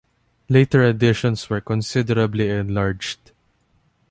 Later editions were considerably enlarged.